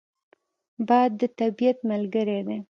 باد د طبیعت ملګری دی